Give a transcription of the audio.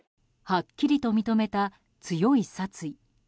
はっきりと認めた強い殺意。